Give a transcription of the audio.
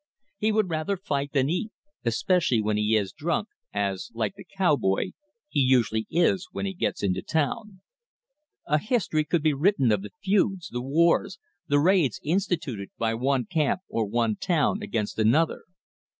He would rather fight than eat, especially when he is drunk, as, like the cow boy, he usually is when he gets into town. A history could be written of the feuds, the wars, the raids instituted by one camp or one town against another.